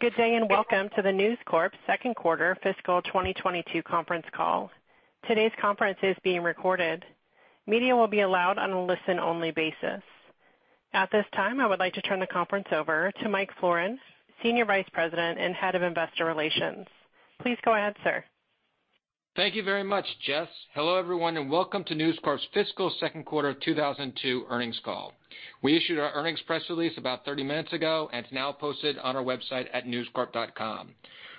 Good day, and welcome to the News Corp second quarter fiscal 2022 conference call. Today's conference is being recorded. Media will be allowed on a listen-only basis. At this time, I would like to turn the conference over to Michael Florin, Senior Vice President and Head of Investor Relations. Please go ahead, sir. Thank you very much, Jess. Hello, everyone, and welcome to News Corp's fiscal second quarter 2002 earnings call. We issued our earnings press release about 30 minutes ago and it's now posted on our website at newscorp.com.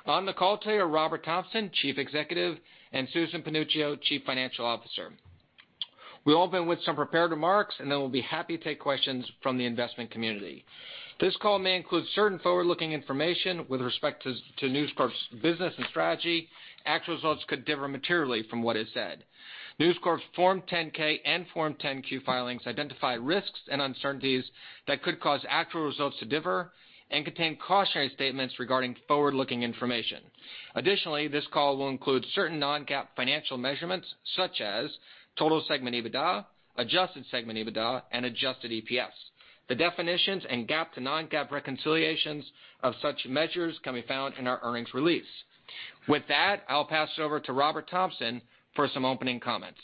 On the call today are Robert Thomson, Chief Executive, and Susan Panuccio, Chief Financial Officer. We'll open with some prepared remarks, and then we'll be happy to take questions from the investment community. This call may include certain forward-looking information with respect to News Corp's business and strategy. Actual results could differ materially from what is said. News Corp's Form 10-K and Form 10-Q filings identify risks and uncertainties that could cause actual results to differ and contain cautionary statements regarding forward-looking information. Additionally, this call will include certain non-GAAP financial measurements such as Total Segment EBITDA, Adjusted Segment EBITDA, and Adjusted EPS. The definitions and GAAP to non-GAAP reconciliations of such measures can be found in our earnings release. With that, I'll pass it over to Robert Thomson for some opening comments.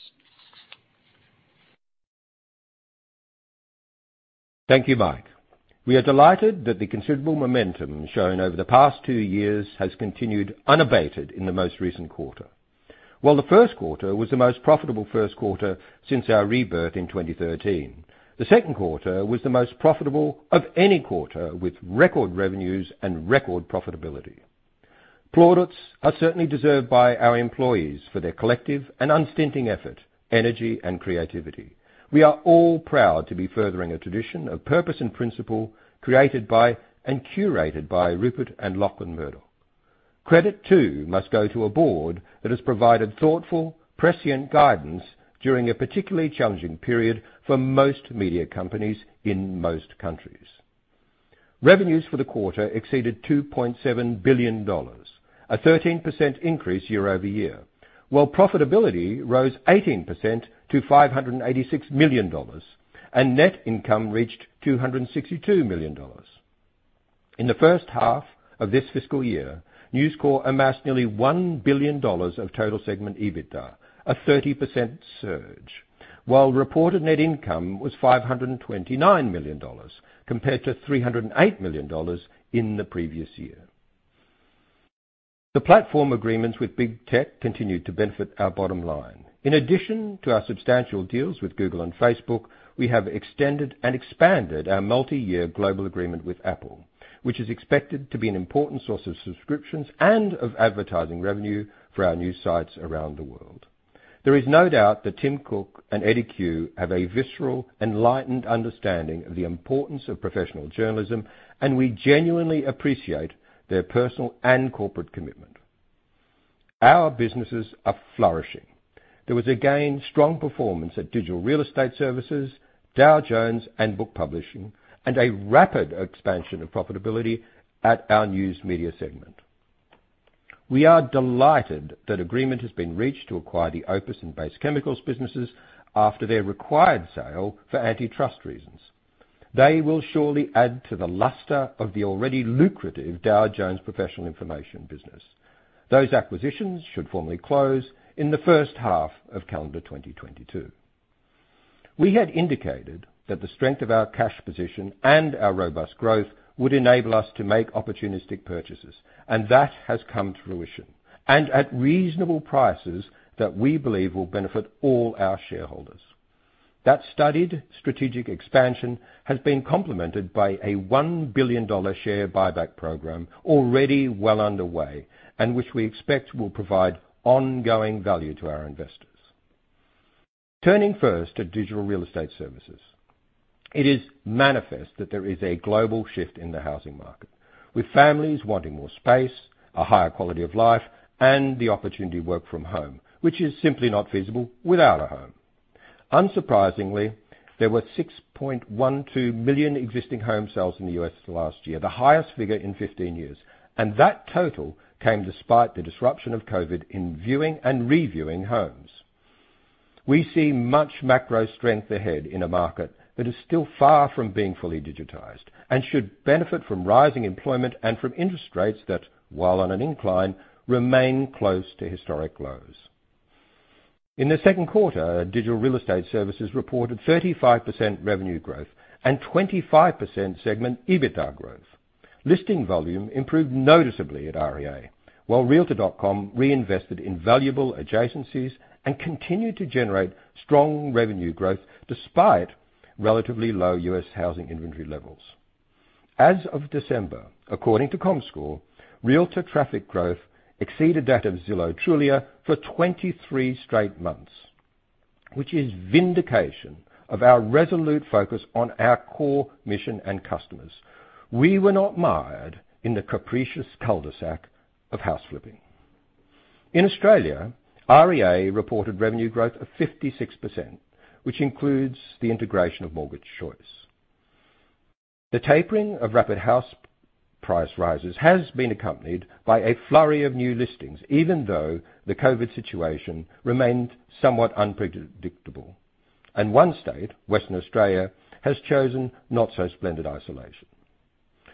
Thank you, Mike. We are delighted that the considerable momentum shown over the past two years has continued unabated in the most recent quarter. While the first quarter was the most profitable first quarter since our rebirth in 2013, the second quarter was the most profitable of any quarter with record revenues and record profitability. Plaudits are certainly deserved by our employees for their collective and unstinting effort, energy, and creativity. We are all proud to be furthering a tradition of purpose and principle created by and curated by Rupert and Lachlan Murdoch. Credit, too, must go to a board that has provided thoughtful, prescient guidance during a particularly challenging period for most media companies in most countries. Revenues for the quarter exceeded $2.7 billion, a 13% increase year-over-year, while profitability rose 18% to $586 million, and net income reached $262 million. In the first half of this fiscal year, News Corp amassed nearly $1 billion of Total Segment EBITDA, a 30% surge, while reported net income was $529 million compared to $308 million in the previous year. The platform agreements with Big Tech continued to benefit our bottom line. In addition to our substantial deals with Google and Facebook, we have extended and expanded our multi-year global agreement with Apple, which is expected to be an important source of subscriptions and of advertising revenue for our news sites around the world. There is no doubt that Tim Cook and Eddy Cue have a visceral, enlightened understanding of the importance of professional journalism, and we genuinely appreciate their personal and corporate commitment. Our businesses are flourishing. There was again strong performance at Digital Real Estate Services, Dow Jones, and Book Publishing, and a rapid expansion of profitability at our News Media segment. We are delighted that agreement has been reached to acquire the OPIS and Base Chemicals businesses after their required sale for antitrust reasons. They will surely add to the luster of the already lucrative Dow Jones professional information business. Those acquisitions should formally close in the first half of calendar 2022. We had indicated that the strength of our cash position and our robust growth would enable us to make opportunistic purchases, and that has come to fruition, and at reasonable prices that we believe will benefit all our shareholders. That studied strategic expansion has been complemented by a $1 billion share buyback program already well underway, and which we expect will provide ongoing value to our investors. Turning first to Digital Real Estate Services, it is manifest that there is a global shift in the housing market, with families wanting more space, a higher quality of life, and the opportunity to work from home, which is simply not feasible without a home. Unsurprisingly, there were 6.12 million existing home sales in the U.S. last year, the highest figure in 15 years. That total came despite the disruption of COVID in viewing and reviewing homes. We see much macro strength ahead in a market that is still far from being fully digitized and should benefit from rising employment and from interest rates that, while on an incline, remain close to historic lows. In the second quarter, Digital Real Estate Services reported 35% revenue growth and 25% Segment EBITDA growth. Listing volume improved noticeably at REA, while Realtor.com reinvested in valuable adjacencies and continued to generate strong revenue growth despite relatively low U.S. housing inventory levels. As of December, according to Comscore, Realtor.com traffic growth exceeded that of Zillow and Trulia for 23 straight months, which is vindication of our resolute focus on our core mission and customers. We were not mired in the capricious cul-de-sac of house flipping. In Australia, REA reported revenue growth of 56%, which includes the integration of Mortgage Choice. The tapering of rapid house price rises has been accompanied by a flurry of new listings, even though the COVID situation remained somewhat unpredictable. One state, Western Australia, has chosen not so splendid isolation.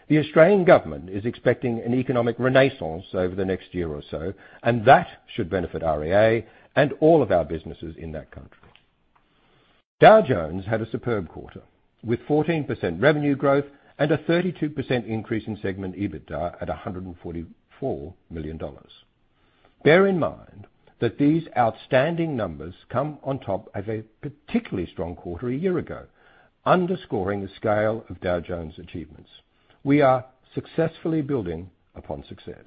The Australian government is expecting an economic renaissance over the next year or so, and that should benefit REA and all of our businesses in that country. Dow Jones had a superb quarter, with 14% revenue growth and a 32% increase in Segment EBITDA at $144 million. Bear in mind that these outstanding numbers come on top of a particularly strong quarter a year ago, underscoring the scale of Dow Jones' achievements. We are successfully building upon success.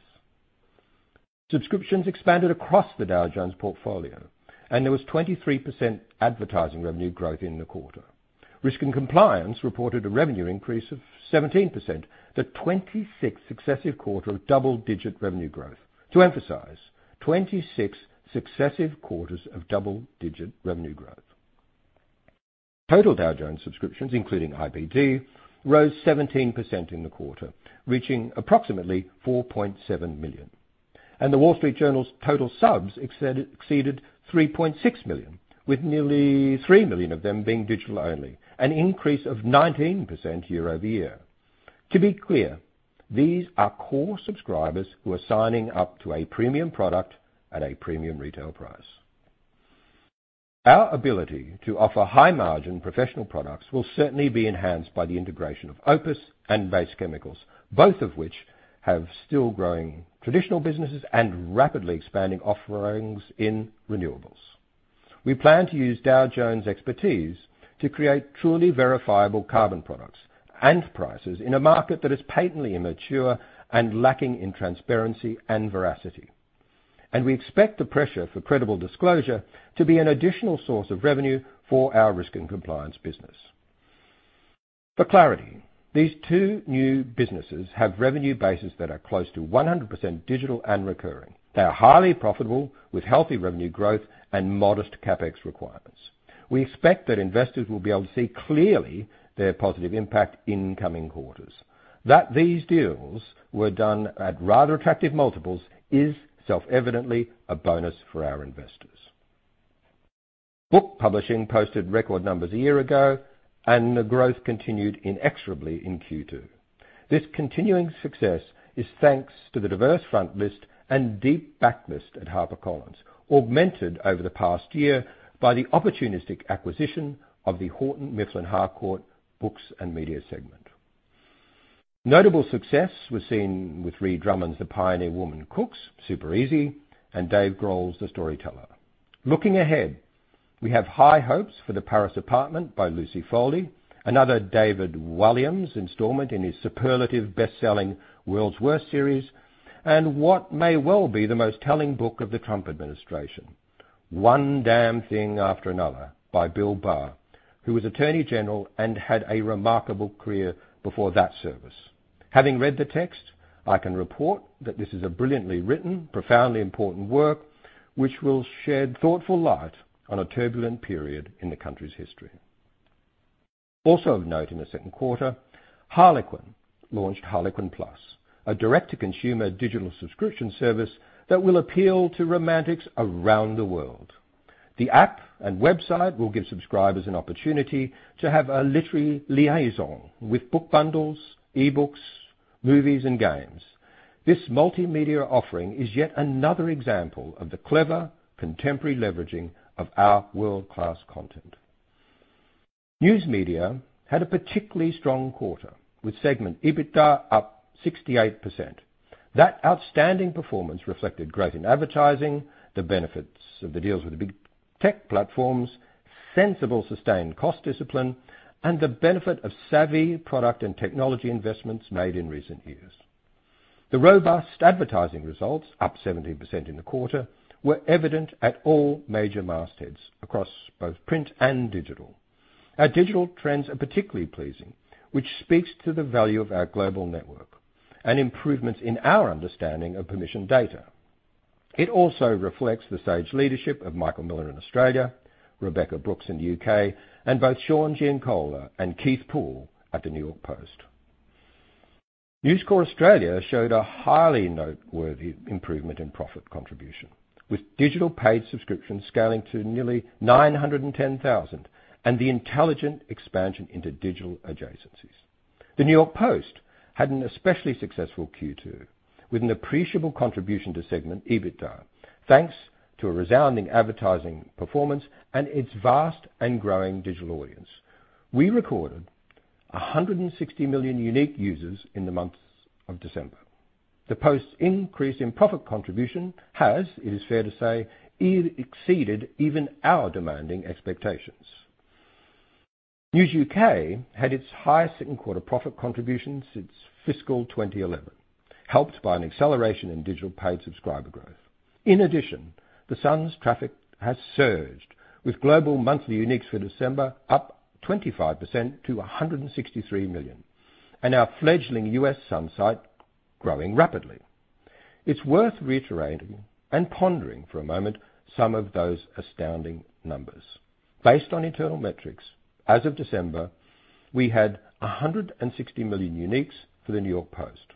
Subscriptions expanded across the Dow Jones portfolio, and there was 23% advertising revenue growth in the quarter. Risk and compliance reported a revenue increase of 17%, the 26th successive quarter of double-digit revenue growth. To emphasize, 26 successive quarters of double-digit revenue growth. Total Dow Jones subscriptions, including IBD, rose 17% in the quarter, reaching approximately 4.7 million. The Wall Street Journal's total subs exceeded 3.6 million, with nearly 3 million of them being digital only, an increase of 19% year-over-year. To be clear, these are core subscribers who are signing up to a premium product at a premium retail price. Our ability to offer high-margin professional products will certainly be enhanced by the integration of OPIS and Base Chemicals, both of which have still growing traditional businesses and rapidly expanding offerings in renewables. We plan to use Dow Jones' expertise to create truly verifiable carbon products and prices in a market that is patently immature and lacking in transparency and veracity. We expect the pressure for credible disclosure to be an additional source of revenue for our risk and compliance business. For clarity, these two new businesses have revenue bases that are close to 100% digital and recurring. They are highly profitable, with healthy revenue growth and modest CapEx requirements. We expect that investors will be able to see clearly their positive impact in coming quarters. That these deals were done at rather attractive multiples is self-evidently a bonus for our investors. Book Publishing posted record numbers a year ago, and the growth continued inexorably in Q2. This continuing success is thanks to the diverse front list and deep backlist at HarperCollins, augmented over the past year by the opportunistic acquisition of the Houghton Mifflin Harcourt Books & Media segment. Notable success was seen with Ree Drummond's The Pioneer Woman Cooks: Super Easy! and Dave Grohl's The Storyteller. Looking ahead, we have high hopes for The Paris Apartment by Lucy Foley, another David Walliams installment in his superlative best-selling World's Worst Series, and what may well be the most telling book of the Trump administration, One Damn Thing After Another by Bill Barr, who was Attorney General and had a remarkable career before that service. Having read the text, I can report that this is a brilliantly written, profoundly important work, which will shed thoughtful light on a turbulent period in the country's history. Also of note in the second quarter, Harlequin launched Harlequin Plus, a direct-to-consumer digital subscription service that will appeal to romantics around the world. The app and website will give subscribers an opportunity to have a literary liaison with book bundles, e-books, movies, and games. This multimedia offering is yet another example of the clever contemporary leveraging of our world-class content. News Media had a particularly strong quarter, with Segment EBITDA up 68%. That outstanding performance reflected growth in advertising, the benefits of the deals with the big tech platforms, sensible sustained cost discipline, and the benefit of savvy product and technology investments made in recent years. The robust advertising results, up 17% in the quarter, were evident at all major mastheads across both print and digital. Our digital trends are particularly pleasing, which speaks to the value of our global network and improvements in our understanding of permission data. It also reflects the sage leadership of Michael Miller in Australia, Rebekah Brooks in the U.K., and both Sean Giancola and Keith Poole at the New York Post. News Corp Australia showed a highly noteworthy improvement in profit contribution, with digital paid subscriptions scaling to nearly 910,000 and the intelligent expansion into digital adjacencies. The New York Post had an especially successful Q2, with an appreciable contribution to Segment EBITDA, thanks to a resounding advertising performance and its vast and growing digital audience. We recorded 160 million unique users in the months of December. The Post's increase in profit contribution has, it is fair to say, exceeded even our demanding expectations. News UK had its highest second quarter profit contribution since fiscal 2011, helped by an acceleration in digital paid subscriber growth. In addition, The Sun's traffic has surged, with global monthly uniques for December up 25% to 163 million, and our fledgling U.S. Sun site growing rapidly. It's worth reiterating and pondering for a moment some of those astounding numbers. Based on internal metrics, as of December, we had 160 million uniques for The New York Post,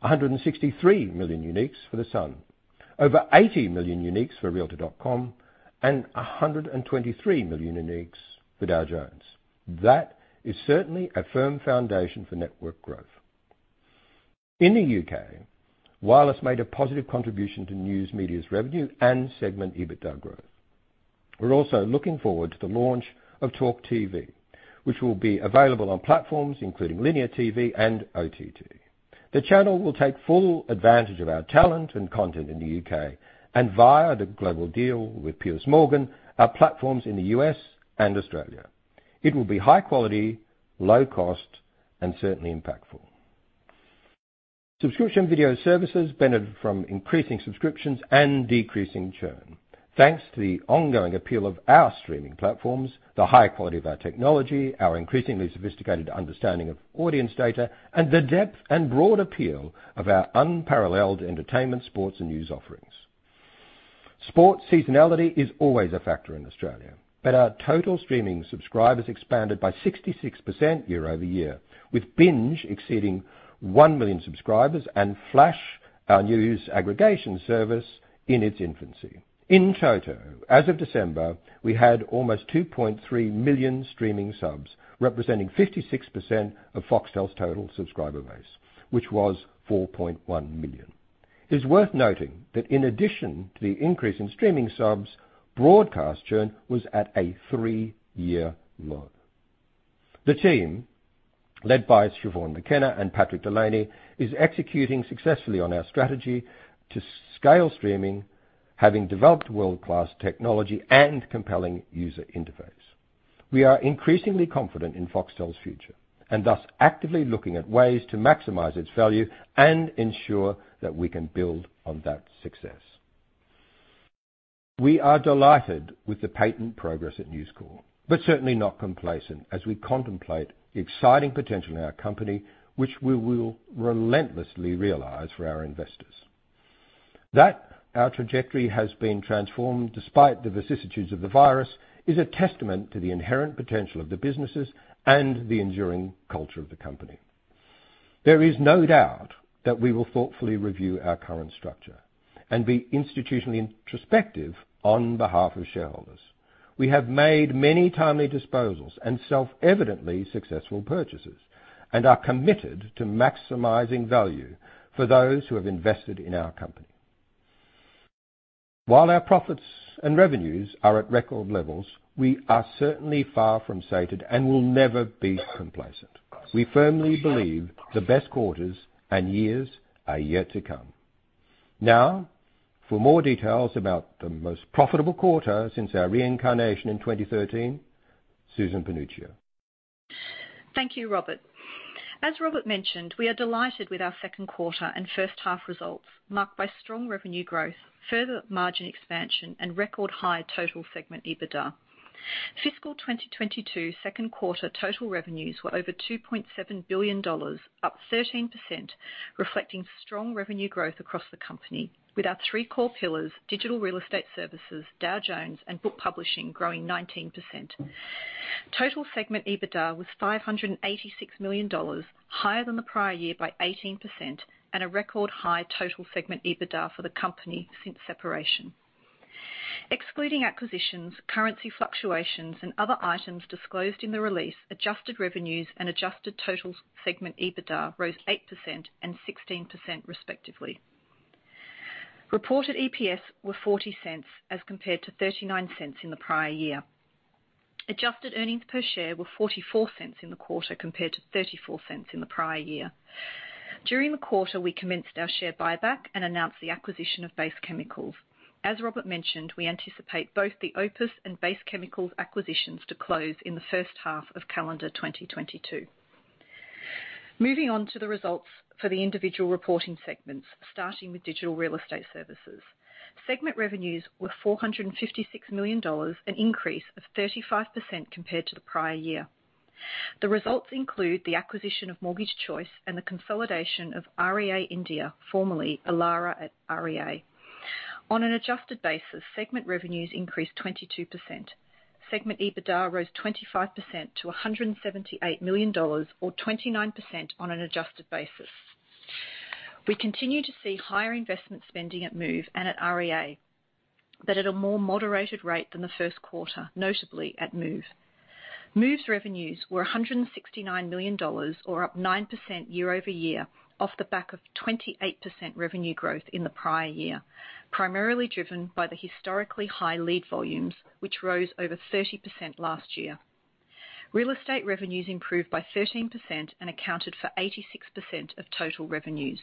163 million uniques for The Sun. Over 80 million uniques for Realtor.com and 123 million uniques for Dow Jones. That is certainly a firm foundation for network growth. In the U.K., Wireless made a positive contribution to News Media's revenue and Segment EBITDA growth. We're also looking forward to the launch of TalkTV, which will be available on platforms including linear TV and OTT. The channel will take full advantage of our talent and content in the U.K., and via the global deal with Piers Morgan, our platforms in the U.S. and Australia. It will be high quality, low cost, and certainly impactful. Subscription Video Services benefited from increasing subscriptions and decreasing churn. Thanks to the ongoing appeal of our streaming platforms, the high quality of our technology, our increasingly sophisticated understanding of audience data, and the depth and broad appeal of our unparalleled entertainment, sports, and news offerings. Sport seasonality is always a factor in Australia, but our total streaming subscribers expanded by 66% year-over-year, with BINGE exceeding 1 million subscribers and Flash, our news aggregation service, in its infancy. In total, as of December, we had almost 2.3 million streaming subs, representing 56% of Foxtel's total subscriber base, which was 4.1 million. It is worth noting that in addition to the increase in streaming subs, broadcast churn was at a three-year low. The team, led by Siobhan McKenna and Patrick Delany, is executing successfully on our strategy to scale streaming, having developed world-class technology and compelling user interface. We are increasingly confident in Foxtel's future, and thus actively looking at ways to maximize its value and ensure that we can build on that success. We are delighted with the patient progress at News Corp, but certainly not complacent as we contemplate the exciting potential in our company, which we will relentlessly realize for our investors. That our trajectory has been transformed despite the vicissitudes of the virus, is a testament to the inherent potential of the businesses and the enduring culture of the company. There is no doubt that we will thoughtfully review our current structure and be institutionally introspective on behalf of shareholders. We have made many timely disposals and self-evidently successful purchases, and are committed to maximizing value for those who have invested in our company. While our profits and revenues are at record levels, we are certainly far from sated and will never be complacent. We firmly believe the best quarters and years are yet to come. Now, for more details about the most profitable quarter since our reincarnation in 2013, Susan Panuccio. Thank you, Robert. As Robert mentioned, we are delighted with our second quarter and first-half results, marked by strong revenue growth, further margin expansion, and record high Total Segment EBITDA. Fiscal 2022 second quarter total revenues were over $2.7 billion, up 13%, reflecting strong revenue growth across the company with our three core pillars, Digital Real Estate Services, Dow Jones, and Book Publishing growing 19%. Total Segment EBITDA was $586 million, higher than the prior year by 18%, and a record-high Total Segment EBITDA for the company since separation. Excluding acquisitions, currency fluctuations, and other items disclosed in the release, Adjusted Revenues and Adjusted Total Segment EBITDA rose 8% and 16% respectively. Reported EPS were $0.40 as compared to $0.39 in the prior year. Adjusted earnings per share were $0.44 in the quarter compared to $0.34 in the prior year. During the quarter, we commenced our share buyback and announced the acquisition of Base Chemicals. As Robert mentioned, we anticipate both the OPIS and Base Chemicals acquisitions to close in the first half of calendar 2022. Moving on to the results for the individual reporting segments, starting with Digital Real Estate Services. Segment revenues were $456 million, an increase of 35% compared to the prior year. The results include the acquisition of Mortgage Choice and the consolidation of REA India, formerly Elara. On an adjusted basis, segment revenues increased 22%. Segment EBITDA rose 25% to $178 million or 29% on an adjusted basis. We continue to see higher investment spending at Move and at REA, but at a more moderated rate than the first quarter, notably at Move. Move's revenues were $169 million, or up 9% year-over-year, off the back of 28% revenue growth in the prior year, primarily driven by the historically high lead volumes, which rose over 30% last year. Real estate revenues improved by 13% and accounted for 86% of total revenues.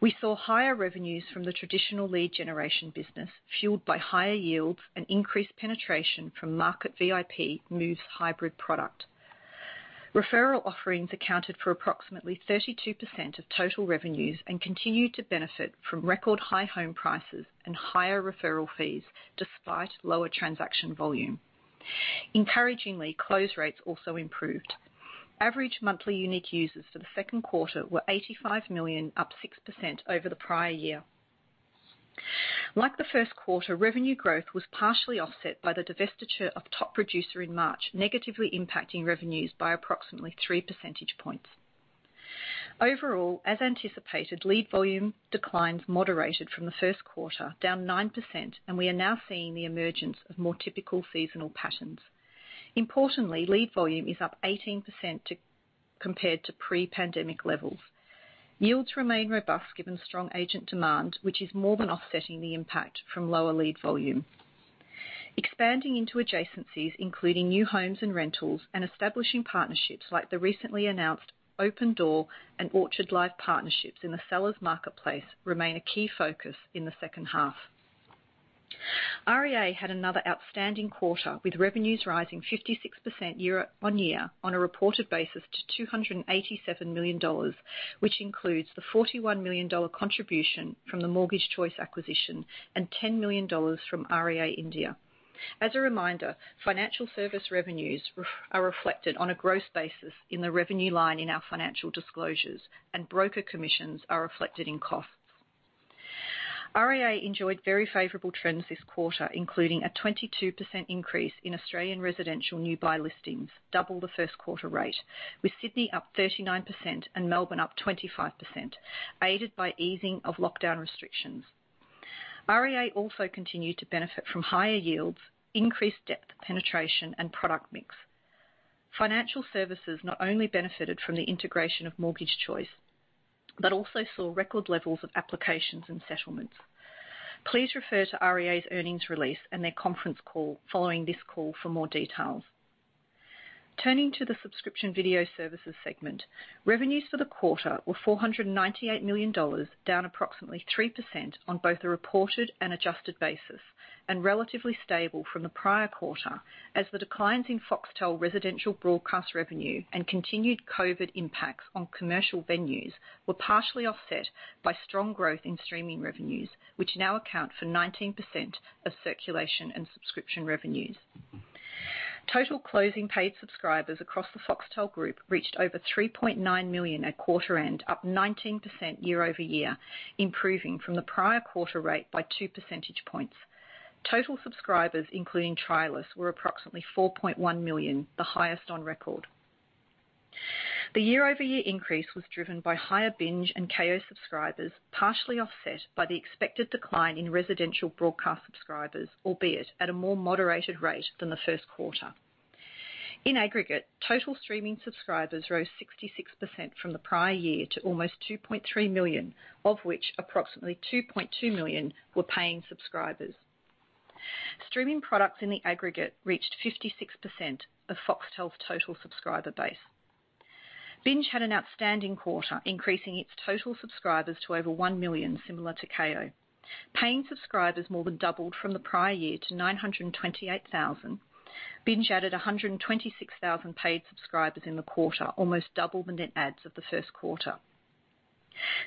We saw higher revenues from the traditional lead generation business, fueled by higher yields and increased penetration from Market VIP, Move's hybrid product. Referral offerings accounted for approximately 32% of total revenues and continued to benefit from record high home prices and higher referral fees despite lower transaction volume. Encouragingly, close rates also improved. Average monthly unique users for the second quarter were 85 million, up 6% over the prior year. Like the first quarter, revenue growth was partially offset by the divestiture of Top Producer in March, negatively impacting revenues by approximately 3 percentage points. Overall, as anticipated, lead volume declines moderated from the first quarter, down 9%, and we are now seeing the emergence of more typical seasonal patterns. Importantly, lead volume is up 18% compared to pre-pandemic levels. Yields remain robust given strong agent demand, which is more than offsetting the impact from lower lead volume. Expanding into adjacencies, including new homes and rentals, and establishing partnerships like the recently announced Opendoor and Orchard partnerships in the sellers' marketplace remain a key focus in the second half. REA had another outstanding quarter, with revenues rising 56% year-on-year on a reported basis to $287 million, which includes the $41 million contribution from the Mortgage Choice acquisition and $10 million from REA India. As a reminder, financial service revenues are reflected on a gross basis in the revenue line in our financial disclosures, and broker commissions are reflected in costs. REA enjoyed very favorable trends this quarter, including a 22% increase in Australian residential new buy listings, double the first quarter rate, with Sydney up 39% and Melbourne up 25%, aided by easing of lockdown restrictions. REA also continued to benefit from higher yields, increased depth, penetration, and product mix. Financial services not only benefited from the integration of Mortgage Choice but also saw record levels of applications and settlements. Please refer to REA's earnings release and their conference call following this call for more details. Turning to the Subscription Video Services segment. Revenues for the quarter were $498 million, down approximately 3% on both a reported and adjusted basis, and relatively stable from the prior quarter as the declines in Foxtel residential broadcast revenue and continued COVID impacts on commercial venues were partially offset by strong growth in streaming revenues, which now account for 19% of circulation and subscription revenues. Total closing paid subscribers across the Foxtel group reached over 3.9 million at quarter end, up 19% year over year, improving from the prior quarter rate by 2 percentage points. Total subscribers, including trialists, were approximately 4.1 million, the highest on record. The year-over-year increase was driven by higher BINGE and Kayo subscribers, partially offset by the expected decline in residential broadcast subscribers, albeit at a more moderated rate than the first quarter. In aggregate, total streaming subscribers rose 66% from the prior year to almost 2.3 million, of which approximately 2.2 million were paying subscribers. Streaming products in the aggregate reached 56% of Foxtel's total subscriber base. BINGE had an outstanding quarter, increasing its total subscribers to over 1 million, similar to Kayo. Paying subscribers more than doubled from the prior year to 928,000. BINGE added 126,000 paid subscribers in the quarter, almost double the net adds of the first quarter.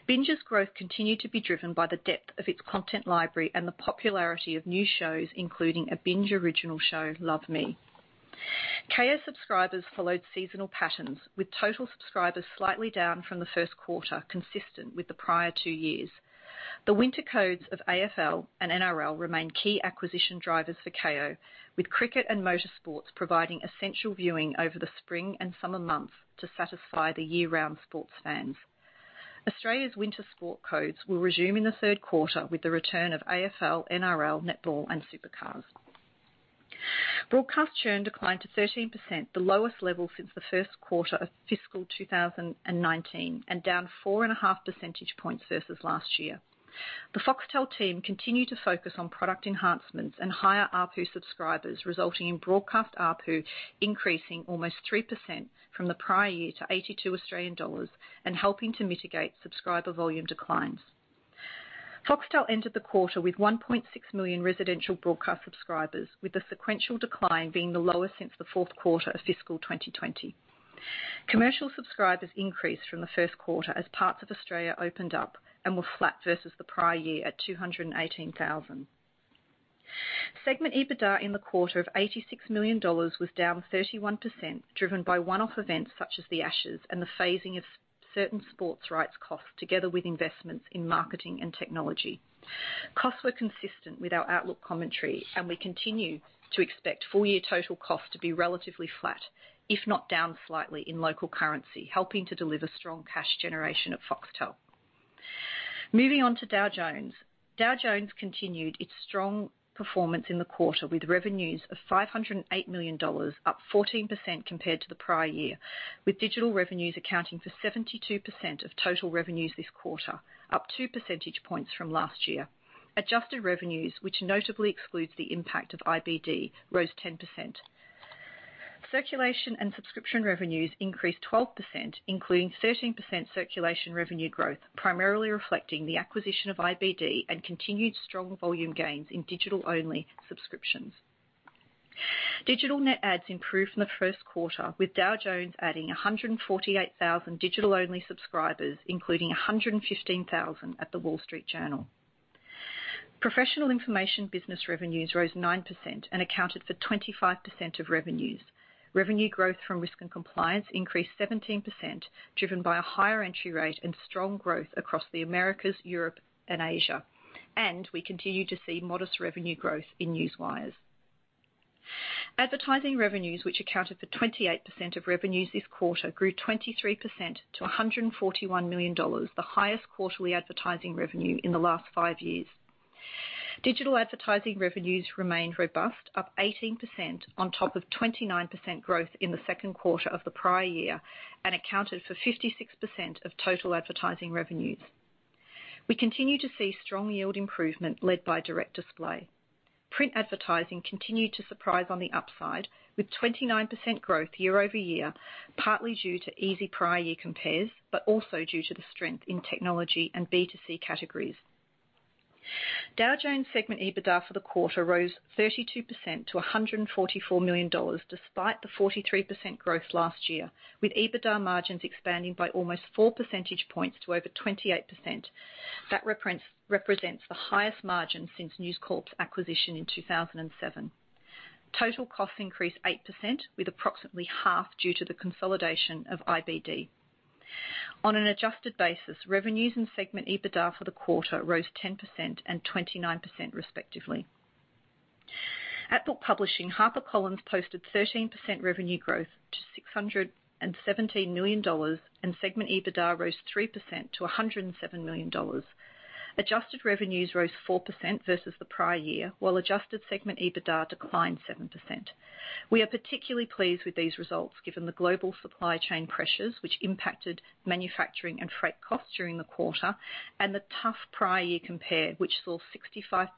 BINGE's growth continued to be driven by the depth of its content library and the popularity of new shows, including a BINGE original show, Love Me. Kayo subscribers followed seasonal patterns, with total subscribers slightly down from the first quarter, consistent with the prior two years. The winter codes of AFL and NRL remain key acquisition drivers for Kayo, with cricket and motorsports providing essential viewing over the spring and summer months to satisfy the year-round sports fans. Australia's winter sport codes will resume in the third quarter with the return of AFL, NRL, netball, and Supercars. Broadcast churn declined to 13%, the lowest level since the first quarter of fiscal 2019, and down 4.5 percentage points versus last year. The Foxtel team continued to focus on product enhancements and higher ARPU subscribers, resulting in broadcast ARPU increasing almost 3% from the prior year to 82 Australian dollars and helping to mitigate subscriber volume declines. Foxtel ended the quarter with 1.6 million residential broadcast subscribers, with the sequential decline being the lowest since the fourth quarter of fiscal 2020. Commercial subscribers increased from the first quarter as parts of Australia opened up and were flat versus the prior year at 218,000. Segment EBITDA in the quarter of $86 million was down 31%, driven by one-off events such as The Ashes and the phasing of certain sports rights costs together with investments in marketing and technology. Costs were consistent with our outlook commentary, and we continue to expect full year total cost to be relatively flat, if not down slightly in local currency, helping to deliver strong cash generation at Foxtel. Moving on to Dow Jones. Dow Jones continued its strong performance in the quarter, with revenues of $508 million, up 14% compared to the prior year, with digital revenues accounting for 72% of total revenues this quarter, up two percentage points from last year. Adjusted Revenues, which notably excludes the impact of IBD, rose 10%. Circulation and subscription revenues increased 12%, including 13% circulation revenue growth, primarily reflecting the acquisition of IBD and continued strong volume gains in digital-only subscriptions. Digital net adds improved from the first quarter, with Dow Jones adding 148,000 digital-only subscribers, including 115,000 at The Wall Street Journal. Professional information business revenues rose 9% and accounted for 25% of revenues. Revenue growth from risk and compliance increased 17%, driven by a higher entry rate and strong growth across the Americas, Europe, and Asia. We continue to see modest revenue growth in Newswires. Advertising revenues, which accounted for 28% of revenues this quarter, grew 23% to $141 million, the highest quarterly advertising revenue in the last five years. Digital advertising revenues remained robust, up 18% on top of 29% growth in the second quarter of the prior year, and accounted for 56% of total advertising revenues. We continue to see strong yield improvement led by direct display. Print advertising continued to surprise on the upside with 29% growth year-over-year, partly due to easy prior year compares, but also due to the strength in technology and B2C categories. Dow Jones Segment EBITDA for the quarter rose 32% to $144 million, despite the 43% growth last year, with EBITDA margins expanding by almost 4 percentage points to over 28%. That represents the highest margin since News Corp's acquisition in 2007. Total costs increased 8%, with approximately half due to the consolidation of IBD. On an adjusted basis, revenues and Segment EBITDA for the quarter rose 10% and 29% respectively. At Book Publishing, HarperCollins posted 13% revenue growth to $617 million, and Segment EBITDA rose 3% to $107 million. Adjusted Revenues rose 4% versus the prior year, while Adjusted Segment EBITDA declined 7%. We are particularly pleased with these results, given the global supply chain pressures which impacted manufacturing and freight costs during the quarter, and the tough prior year compare, which saw 65%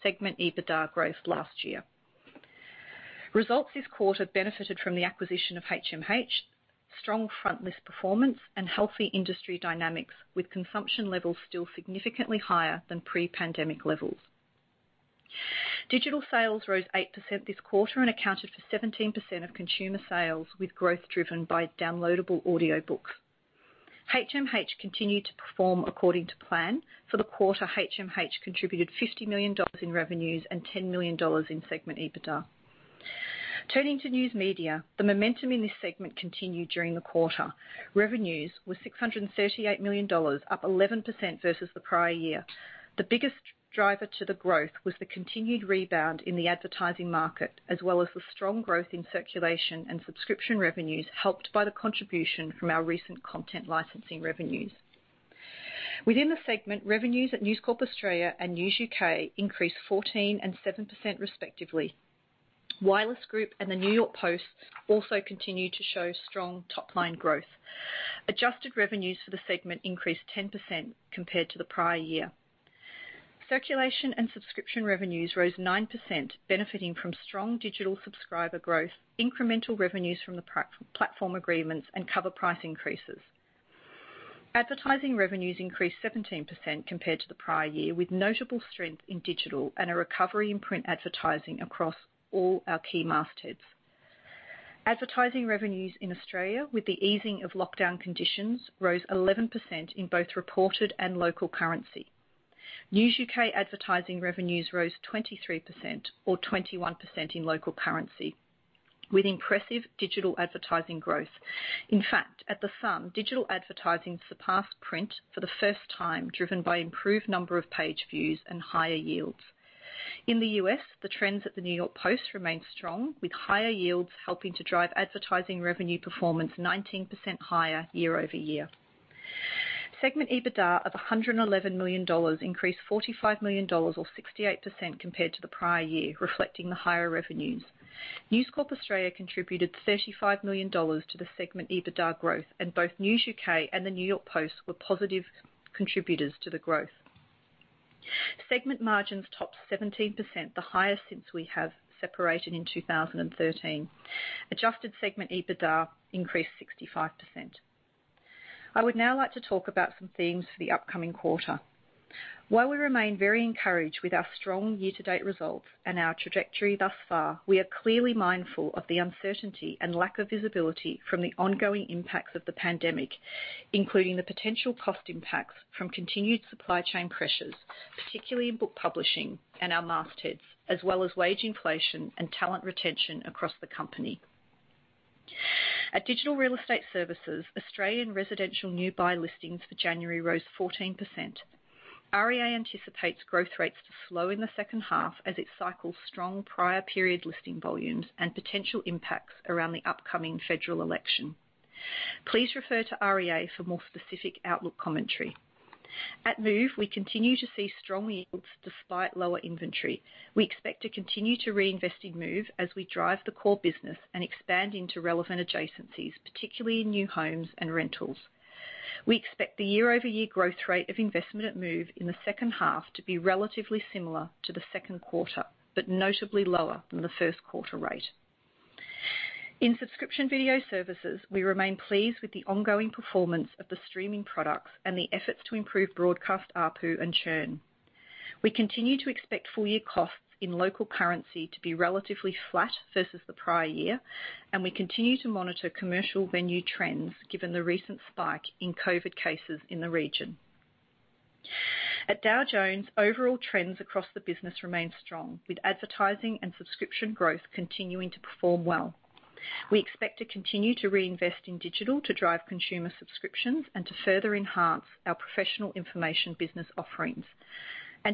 Segment EBITDA growth last year. Results this quarter benefited from the acquisition of HMH, strong front list performance and healthy industry dynamics, with consumption levels still significantly higher than pre-pandemic levels. Digital sales rose 8% this quarter and accounted for 17% of consumer sales with growth driven by downloadable audiobooks. HMH continued to perform according to plan. For the quarter, HMH contributed $50 million in revenues and $10 million in Segment EBITDA. Turning to News Media, the momentum in this segment continued during the quarter. Revenues were $638 million, up 11% versus the prior year. The biggest driver to the growth was the continued rebound in the advertising market, as well as the strong growth in circulation and subscription revenues, helped by the contribution from our recent content licensing revenues. Within the segment, revenues at News Corp Australia and News UK increased 14% and 7% respectively. Wireless Group and The New York Post also continued to show strong top-line growth. Adjusted Revenues for the segment increased 10% compared to the prior year. Circulation and subscription revenues rose 9%, benefiting from strong digital subscriber growth, incremental revenues from the platform agreements and cover price increases. Advertising revenues increased 17% compared to the prior year, with notable strength in digital and a recovery in print advertising across all our key mastheads. Advertising revenues in Australia, with the easing of lockdown conditions, rose 11% in both reported and local currency. News UK advertising revenues rose 23% or 21% in local currency, with impressive digital advertising growth. In fact, at The Sun, digital advertising surpassed print for the first time, driven by improved number of page views and higher yields. In the U.S., the trends at The New York Post remained strong, with higher yields helping to drive advertising revenue performance 19% higher year-over-year. Segment EBITDA of $111 million increased $45 million or 68% compared to the prior year, reflecting the higher revenues. News Corp Australia contributed $35 million to the Segment EBITDA growth, and both News UK and The New York Post were positive contributors to the growth. Segment margins topped 17%, the highest since we have separated in 2013. Adjusted Segment EBITDA increased 65%. I would now like to talk about some themes for the upcoming quarter. While we remain very encouraged with our strong year-to-date results and our trajectory thus far, we are clearly mindful of the uncertainty and lack of visibility from the ongoing impacts of the pandemic, including the potential cost impacts from continued supply chain pressures, particularly in Book Publishing and our mastheads, as well as wage inflation and talent retention across the company. At Digital Real Estate Services, Australian residential new buy listings for January rose 14%. REA anticipates growth rates to slow in the second half as it cycles strong prior period listing volumes and potential impacts around the upcoming federal election. Please refer to REA for more specific outlook commentary. At Move, we continue to see strong yields despite lower inventory. We expect to continue to reinvest in Move as we drive the core business and expand into relevant adjacencies, particularly in new homes and rentals. We expect the year-over-year growth rate of investment at Move in the second half to be relatively similar to the second quarter, but notably lower than the first quarter rate. In Subscription Video Services, we remain pleased with the ongoing performance of the streaming products and the efforts to improve broadcast ARPU and churn. We continue to expect full-year costs in local currency to be relatively flat versus the prior year, and we continue to monitor commercial venue trends given the recent spike in COVID cases in the region. At Dow Jones, overall trends across the business remain strong, with advertising and subscription growth continuing to perform well. We expect to continue to reinvest in digital to drive consumer subscriptions and to further enhance our professional information business offerings.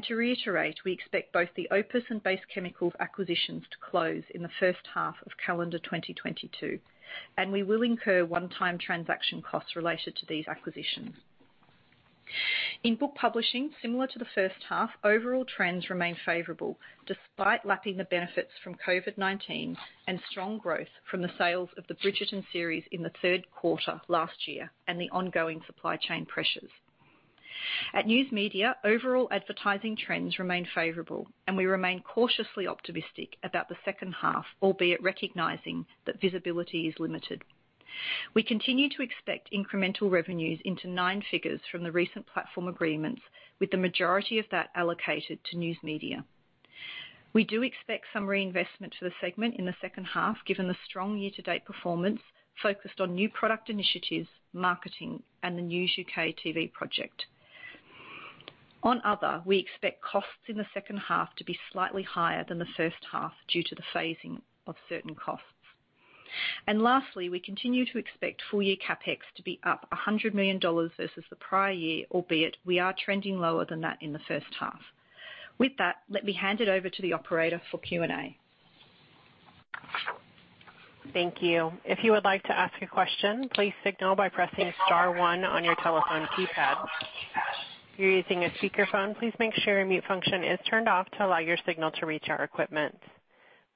To reiterate, we expect both the OPIS and Base Chemicals acquisitions to close in the first half of calendar 2022, and we will incur one-time transaction costs related to these acquisitions. In Book Publishing, similar to the first half, overall trends remain favorable despite lacking the benefits from COVID-19 and strong growth from the sales of the Bridgerton series in the third quarter last year and the ongoing supply chain pressures. At News Media, overall advertising trends remain favorable, and we remain cautiously optimistic about the second half, albeit recognizing that visibility is limited. We continue to expect incremental revenues into nine figures from the recent platform agreements, with the majority of that allocated to News Media. We do expect some reinvestment to the segment in the second half, given the strong year-to-date performance focused on new product initiatives, marketing, and the News UK TV project. On other, we expect costs in the second half to be slightly higher than the first half due to the phasing of certain costs. Lastly, we continue to expect full-year CapEx to be up $100 million versus the prior year, albeit we are trending lower than that in the first half. With that, let me hand it over to the operator for Q&A. Thank you. If you would like to ask a question, please signal by pressing star one on your telephone keypad. If you're using a speakerphone, please make sure your mute function is turned off to allow your signal to reach our equipment.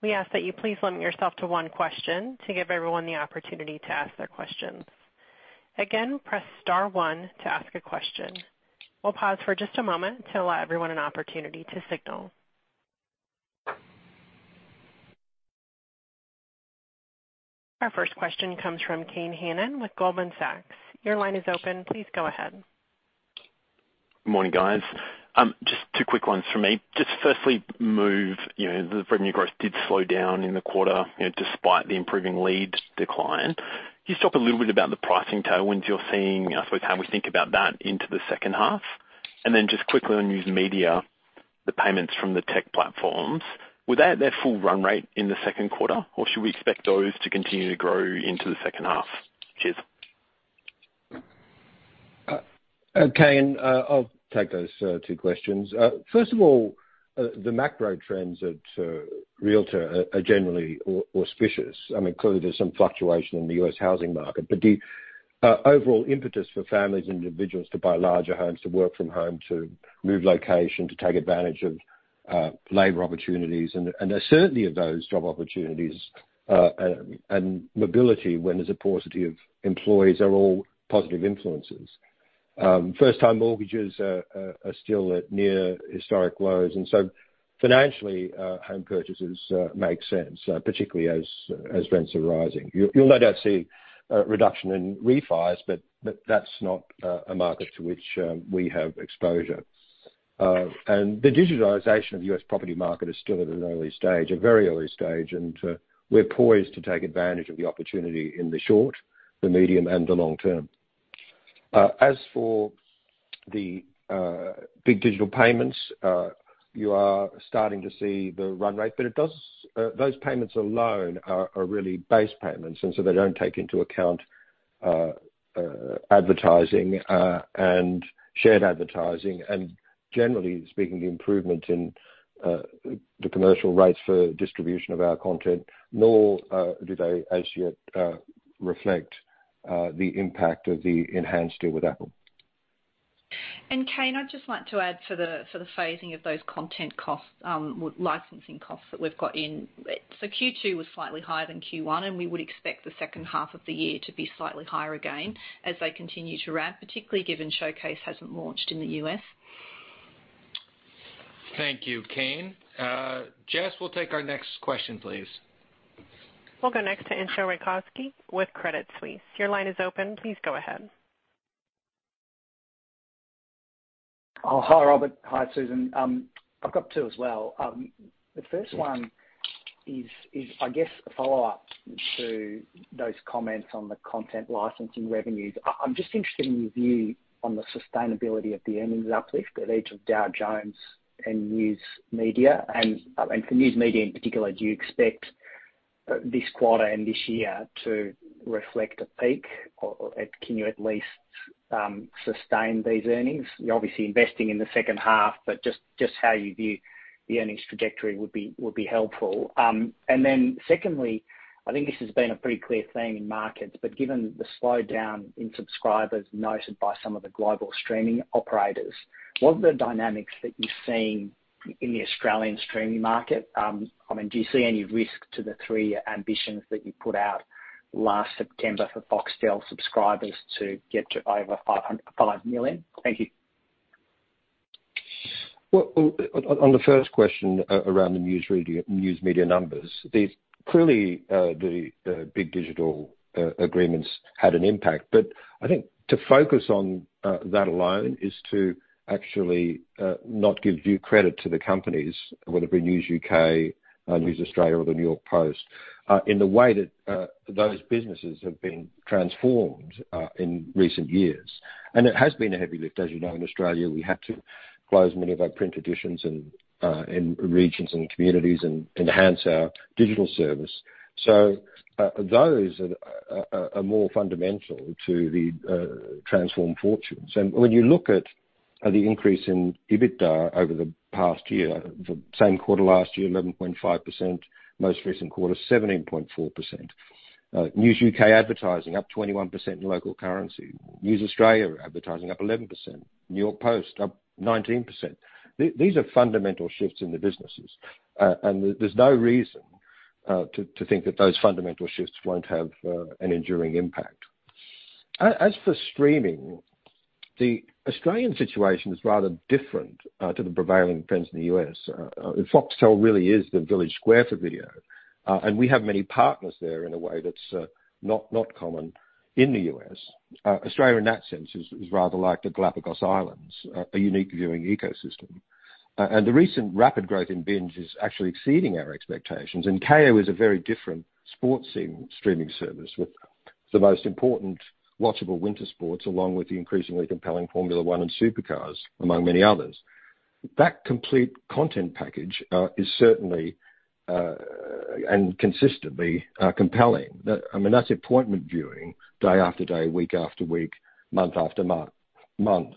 We ask that you please limit yourself to one question to give everyone the opportunity to ask their questions. Again, press star one to ask a question. We'll pause for just a moment to allow everyone an opportunity to signal. Our first question comes from Kane Hannan with Goldman Sachs. Your line is open. Please go ahead. Morning, guys. Just two quick ones for me. Just firstly, Move, you know, the revenue growth did slow down in the quarter, you know, despite the improving lead decline. Can you talk a little bit about the pricing tailwinds you're seeing, I suppose, how we think about that into the second half? Then just quickly on News Media, the payments from the tech platforms. Were they at their full run rate in the second quarter, or should we expect those to continue to grow into the second half? Cheers. Kane, I'll take those two questions. First of all, the macro trends at Realtor.com are generally auspicious. I mean, clearly there's some fluctuation in the U.S. housing market, but the overall impetus for families and individuals to buy larger homes, to work from home, to move location, to take advantage of labor opportunities, and certainly of those job opportunities, and mobility when there's a paucity of employees are all positive influences. First-time mortgages are still at near historic lows, and so financially, home purchases make sense, particularly as rents are rising. You'll no doubt see a reduction in refis, but that's not a market to which we have exposure. The digitalization of the U.S. property market is still at an early stage, a very early stage, and we're poised to take advantage of the opportunity in the short, medium, and long term. As for the big digital payments, you are starting to see the run rate, but it does, those payments alone are really base payments, and so they don't take into account advertising and shared advertising, and generally speaking, the improvement in the commercial rates for distribution of our content, nor do they as yet reflect the impact of the enhanced deal with Apple. Kane, I'd just like to add for the phasing of those content costs, licensing costs that we've got in. Q2 was slightly higher than Q1, and we would expect the second half of the year to be slightly higher again as they continue to ramp, particularly given Showcase hasn't launched in the U.S. Thank you, Kane. Jess, we'll take our next question, please. We'll go next to Entcho Raykovski with Credit Suisse. Your line is open. Please go ahead. Oh, hi, Robert. Hi, Susan. I've got two as well. The first one is, I guess a follow-up to those comments on the content licensing revenues. I'm just interested in your view on the sustainability of the earnings uplift at each of Dow Jones and News Media. For News Media in particular, do you expect this quarter and this year to reflect a peak or can you at least sustain these earnings? You're obviously investing in the second half, but just how you view the earnings trajectory would be helpful. Secondly, I think this has been a pretty clear theme in markets, but given the slowdown in subscribers noted by some of the global streaming operators, what are the dynamics that you're seeing in the Australian streaming market? I mean, do you see any risk to the three ambitions that you put out last September for Foxtel subscribers to get to over 5 million? Thank you. Well, on the first question around the News Media numbers, these clearly the big digital agreements had an impact. I think to focus on that alone is to actually not give due credit to the companies, whether it be News UK, News Corp Australia or The New York Post, in the way that those businesses have been transformed in recent years. It has been a heavy lift. As you know, in Australia we had to close many of our print editions in regions and communities and enhance our digital service. Those are more fundamental to the transformed fortunes. When you look at the increase in EBITDA over the past year, the same quarter last year, 11.5%. Most recent quarter, 17.4%. News UK advertising up 21% in local currency. News Corp Australia advertising up 11%. New York Post up 19%. These are fundamental shifts in the businesses. There's no reason to think that those fundamental shifts won't have an enduring impact. As for streaming, the Australian situation is rather different to the prevailing trends in the U.S. Foxtel really is the village square for video. We have many partners there in a way that's not common in the U.S. Australia in that sense is rather like the Galapagos Islands, a unique viewing ecosystem. The recent rapid growth in BINGE is actually exceeding our expectations. Kayo is a very different sports streaming service with the most important watchable winter sports, along with the increasingly compelling Formula 1 and Supercars, among many others. That complete content package is certainly and consistently compelling. I mean, that's appointment viewing day-after-day, week-after-week, month-after-month.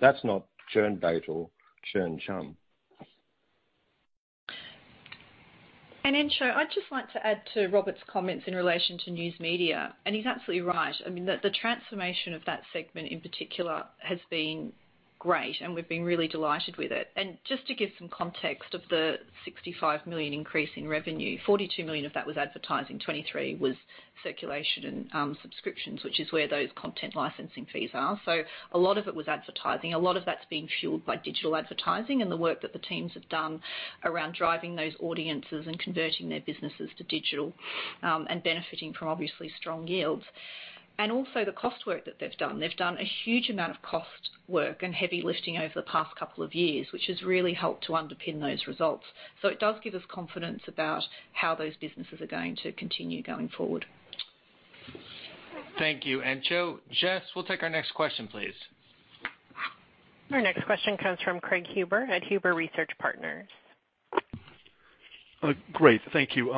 That's not churn bait or churn chum. Entcho, I'd just like to add to Robert Thomson's comments in relation to News Media, and he's absolutely right. I mean, the transformation of that segment in particular has been great, and we've been really delighted with it. Just to give some context of the $65 million increase in revenue, $42 million of that was advertising, $23 million was circulation and subscriptions, which is where those content licensing fees are. A lot of it was advertising. A lot of that's being fueled by digital advertising and the work that the teams have done around driving those audiences and converting their businesses to digital, and benefiting from obviously strong yields. Also the cost work that they've done. They've done a huge amount of cost work and heavy lifting over the past couple of years, which has really helped to underpin those results. It does give us confidence about how those businesses are going to continue going forward. Thank you, Entcho. Jess, we'll take our next question, please. Our next question comes from Craig Huber at Huber Research Partners. Great, thank you.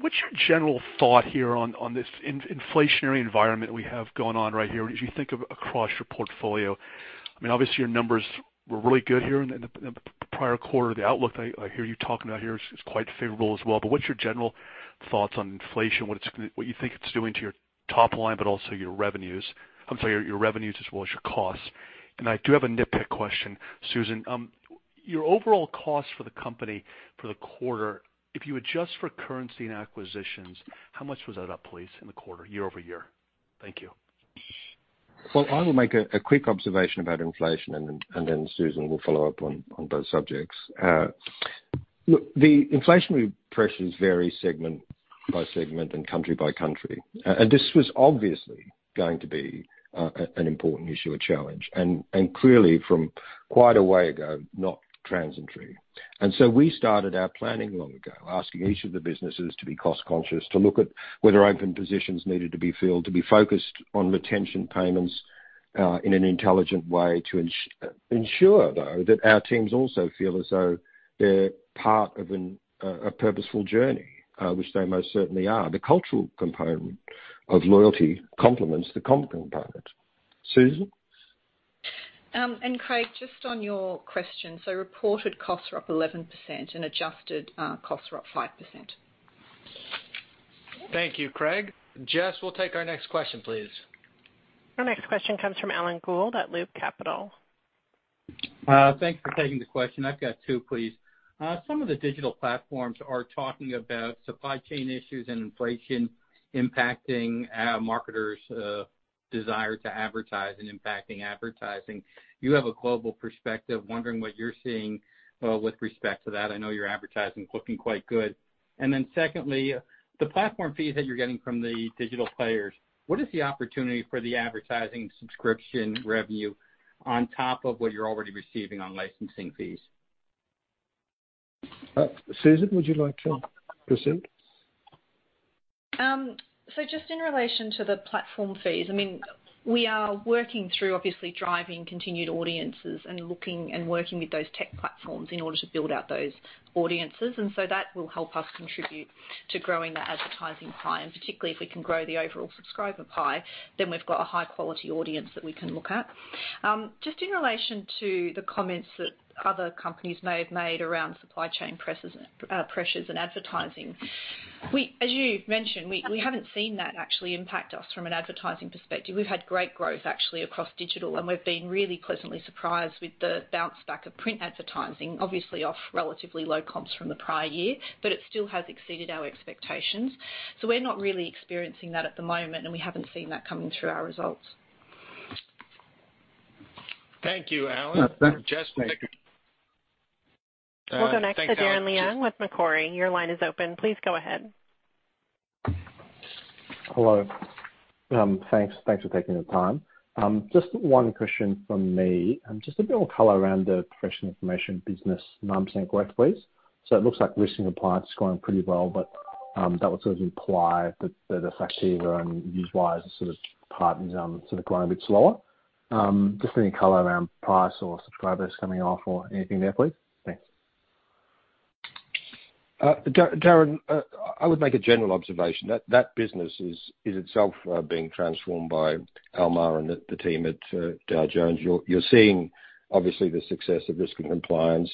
What's your general thought here on this inflationary environment we have going on right here, as you think of across your portfolio? I mean, obviously your numbers were really good here in the prior quarter. The outlook I hear you talking about here is quite favorable as well. But what's your general thoughts on inflation, what you think it's doing to your top line, but also your revenues? I'm sorry, your revenues as well as your costs. I do have a nitpick question, Susan. Your overall cost for the company for the quarter, if you adjust for currency and acquisitions, how much was that up, please, in the quarter year-over-year? Thank you. Well, I will make a quick observation about inflation, and then Susan will follow up on both subjects. Look, the inflationary pressures vary segment by segment and country by country. This was obviously going to be an important issue, a challenge, and clearly from quite a way ago, not transitory. We started our planning long ago, asking each of the businesses to be cost conscious, to look at whether open positions needed to be filled, to be focused on retention payments, in an intelligent way to ensure, though, that our teams also feel as though they're part of a purposeful journey, which they most certainly are. The cultural component of loyalty complements the comp component. Susan? Craig, just on your question, so reported costs are up 11% and adjusted costs are up 5%. Thank you, Craig. Jess, we'll take our next question, please. Our next question comes from Alan Gould at Loop Capital. Thanks for taking the question. I've got two, please. Some of the digital platforms are talking about supply chain issues and inflation impacting marketers' desire to advertise and impacting advertising. You have a global perspective. Wondering what you're seeing with respect to that. I know your advertising is looking quite good. Then secondly, the platform fees that you're getting from the digital players, what is the opportunity for the advertising subscription revenue on top of what you're already receiving on licensing fees? Susan, would you like to proceed? Just in relation to the platform fees, I mean, we are working through obviously driving continued audiences and looking and working with those tech platforms in order to build out those audiences. That will help us contribute to growing that advertising pie, and particularly if we can grow the overall subscriber pie, then we've got a high-quality audience that we can look at. Just in relation to the comments that other companies may have made around supply chain pressures and advertising. As you mentioned, we haven't seen that actually impact us from an advertising perspective. We've had great growth actually across digital, and we've been really pleasantly surprised with the bounce back of print advertising, obviously off relatively low comps from the prior year, but it still has exceeded our expectations. We're not really experiencing that at the moment, and we haven't seen that coming through our results. Thank you, Alan. Uh, thank- Jess- We'll go next to Darren Leung with Macquarie. Your line is open. Please go ahead. Hello. Thanks for taking the time. Just one question from me, and just a bit of color around the professional information business, 9% growth, please. It looks like Risks & Compliance is going pretty well, but that would sort of imply that the Factiva and Newswires sort of partners sort of growing a bit slower. Just any color around price or subscribers coming off or anything there, please? Thanks. Darren, I would make a general observation. That business is itself being transformed by Almar Latour and the team at Dow Jones. You're seeing obviously the success of Risk & Compliance.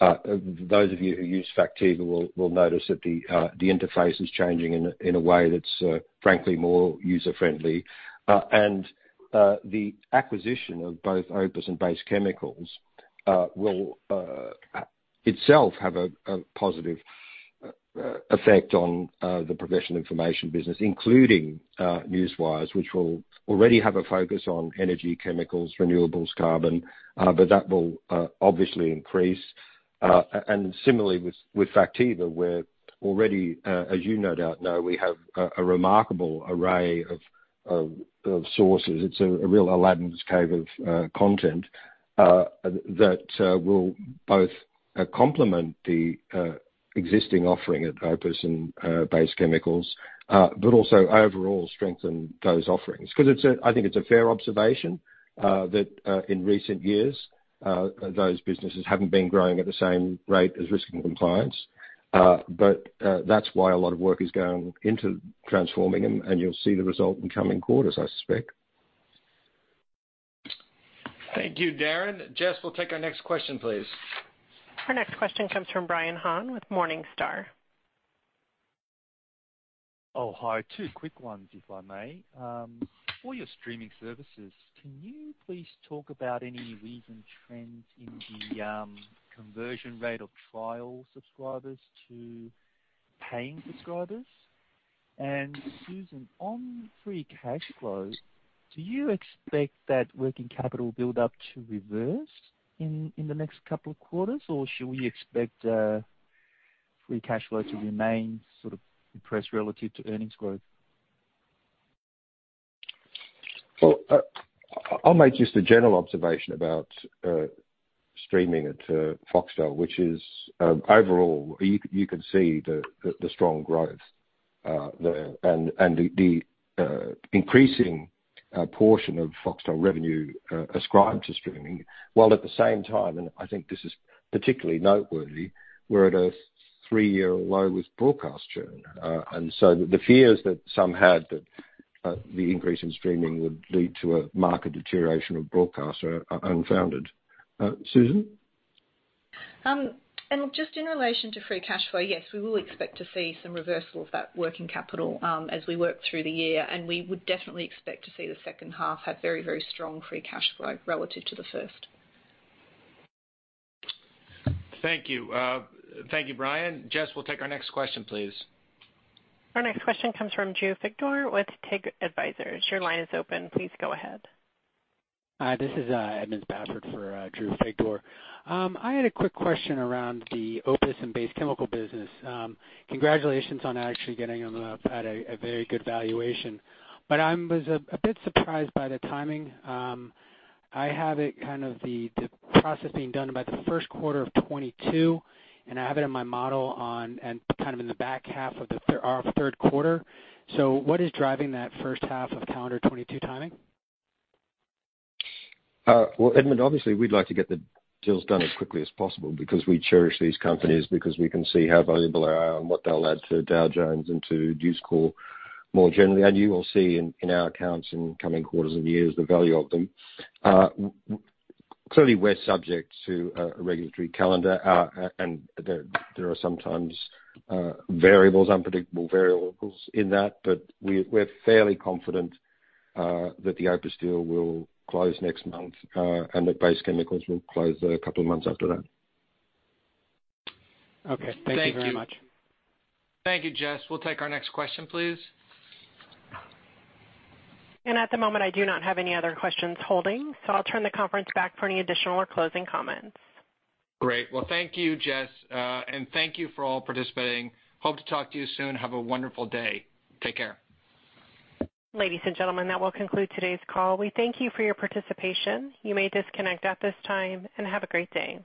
Those of you who use Factiva will notice that the interface is changing in a way that's frankly more user-friendly. The acquisition of both OPIS and Base Chemicals will itself have a positive effect on the professional information business, including Newswires, which will already have a focus on energy, chemicals, renewables, carbon, but that will obviously increase. Similarly with Factiva, we're already, as you no doubt know, we have a remarkable array of sources. It's a real Aladdin's cave of content that will both complement the existing offering at OPIS and Base Chemicals, but also overall strengthen those offerings. Because I think it's a fair observation that in recent years those businesses haven't been growing at the same rate as Risk & Compliance. That's why a lot of work is going into transforming them, and you'll see the result in coming quarters, I suspect. Thank you, David. Jess, we'll take our next question, please. Our next question comes from Brian Han with Morningstar. Oh, hi. Two quick ones, if I may. For your streaming services, can you please talk about any recent trends in the conversion rate of trial subscribers to paying subscribers? Susan, on free cash flow, do you expect that working capital build up to reverse in the next couple of quarters? Or should we expect free cash flow to remain sort of depressed relative to earnings growth? Well, I'll make just a general observation about streaming at Foxtel, which is overall you can see the strong growth there, and the increasing portion of Foxtel revenue ascribed to streaming, while at the same time, and I think this is particularly noteworthy, we're at a three-year low with broadcast churn. The fears that some had that the increase in streaming would lead to a market deterioration of broadcast are unfounded. Susan? Just in relation to free cash flow, yes, we will expect to see some reversal of that working capital, as we work through the year. We would definitely expect to see the second half have very, very strong free cash flow relative to the first. Thank you. Thank you, Brian. Jess, we'll take our next question, please. Our next question comes from Drew Figdor with TIG Advisors. Your line is open. Please go ahead. This is Edmonds Bafford for Drew Figdor. I had a quick question around the OPIS and Base Chemicals business. Congratulations on actually getting them at a very good valuation. I was a bit surprised by the timing. I have it kind of the process being done about the first quarter of 2022, and I have it in my model, and kind of in the back half of our third quarter. What is driving that first half of calendar 2022 timing? Well, Edmonds, obviously we'd like to get the deals done as quickly as possible because we cherish these companies because we can see how valuable they are and what they'll add to Dow Jones and to News Corp more generally. You will see in our accounts in coming quarters and years the value of them. Clearly we're subject to a regulatory calendar. And there are sometimes unpredictable variables in that, but we're fairly confident that the OPIS deal will close next month, and that Base Chemicals will close a couple of months after that. Okay. Thank you very much. Thank you, Jess. We'll take our next question, please. At the moment, I do not have any other questions holding, so I'll turn the conference back for any additional or closing comments. Great. Well, thank you, Jess, and thank you for all participating. Hope to talk to you soon. Have a wonderful day. Take care. Ladies and gentlemen, that will conclude today's call. We thank you for your participation. You may disconnect at this time, and have a great day.